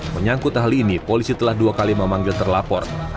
menyangkut hal ini polisi telah dua kali memanggil terlapor